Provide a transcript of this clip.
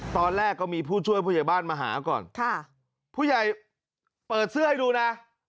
ตอนแรกก็มีผู้ช่วยผู้ใหญ่บ้านมาหาก่อนค่ะผู้ใหญ่เปิดเสื้อให้ดูนะ